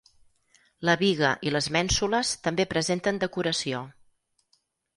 La biga i les mènsules també presenten decoració.